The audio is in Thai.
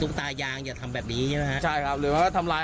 ตุ๊กตายางอย่าทำแบบนี้ใช่ครับใช่ครับหรือว่าทำลาย